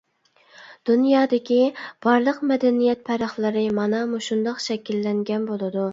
دۇنيادىكى بارلىق مەدەنىيەت پەرقلىرى مانا مۇشۇنداق شەكىللەنگەن بولىدۇ.